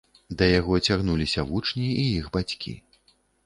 Да яго цягнуліся вучні і іх бацькі.